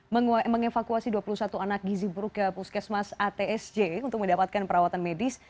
mengevakuasi dua puluh satu anak gizi buruk ke puskesmas atsj untuk mendapatkan perawatan medis